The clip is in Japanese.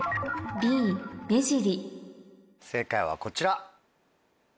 正解はこちら。